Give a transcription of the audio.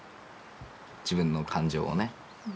自分の感情をね。